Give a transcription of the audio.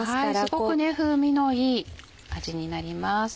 すごく風味のいい味になります。